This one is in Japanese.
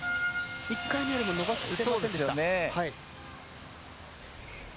１回目よりも伸ばせませんでした。